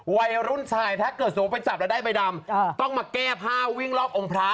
วัยรุ่นชายถ้าเกิดสมมุติไปจับแล้วได้ใบดำต้องมาแก้ผ้าวิ่งรอบองค์พระ